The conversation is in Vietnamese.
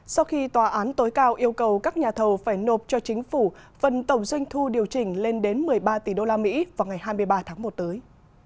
sau khi tòa án tối cao yêu cầu các nhà thầu phải nộp cho chính phủ phần tổng doanh thu điều chỉnh lên đến một mươi ba tỷ usd vào ngày hai mươi ba tháng một tới